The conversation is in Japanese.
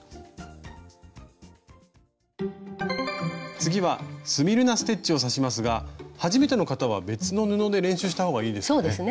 次はスミルナ・ステッチを刺しますが初めての方は別の布で練習したほうがいいですかね？